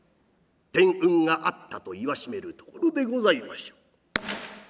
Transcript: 天運があったと言わしめるところでございましょう。